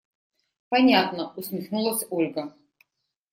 Понятно! – усмехнулась Ольга.